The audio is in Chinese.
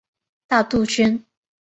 大杜鹃。